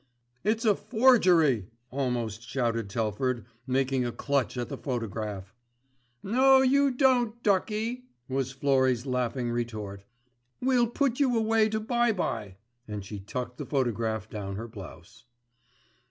"It's a forgery," almost shouted Telford, making a clutch at the photograph. "No you don't, ducky," was Florrie's laughing retort. "We'll put you away to bye bye," and she tucked the photograph down her blouse.